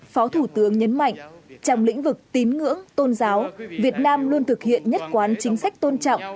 phó thủ tướng nhấn mạnh trong lĩnh vực tín ngưỡng tôn giáo việt nam luôn thực hiện nhất quán chính sách tôn trọng